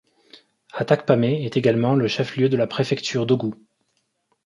Atakpamé est également le chef-lieu de la préfecture d'Ogou.